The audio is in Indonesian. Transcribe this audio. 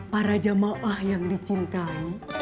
para jamaah yang dicintai